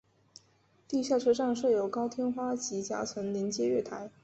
地下车站设有高天花及夹层连接月台。